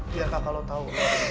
biar kakak lo tau